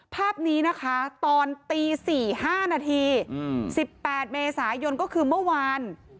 ภาพนี้นะคะตอนตี๔๕นาที๑๘เมษายนก็คือเมื่อวาน